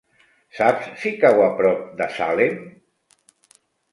Saps si cau a prop de Salem?